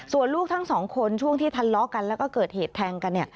ส่วนลูกทั้งสองคนช่วงที่ทะเลาะกันแล้วก็เกิดเหตุแทงกัน